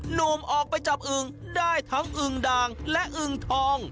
หนุ่มออกไปจับอึงได้ทั้งอึงด่างและอึงทอง